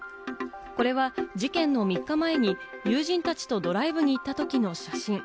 これは事件の３日前に友人たちとドライブに行ったときの写真。